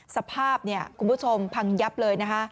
สภาพคุณผู้ชมพังยับเลยนะคะ